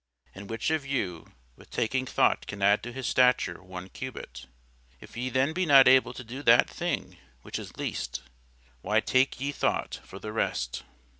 And which of you with taking thought can add to his stature one cubit? If ye then be not able to do that thing which is least, why take ye thought for the rest?